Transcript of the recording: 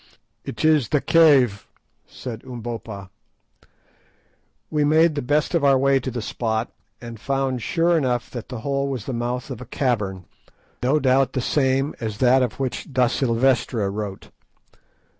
"It is the cave," said Umbopa. We made the best of our way to the spot, and found sure enough that the hole was the mouth of a cavern, no doubt the same as that of which da Silvestra wrote.